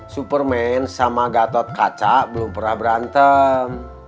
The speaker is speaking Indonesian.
superman sama gatot kaca belum pernah berantem